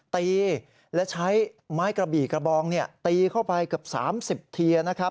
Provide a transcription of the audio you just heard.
ตีและใช้ไม้กระบี่กระบองตีเข้าไปเกือบ๓๐ทีนะครับ